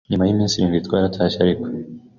nyuma y’iminsi irindwi, twaratashye ariko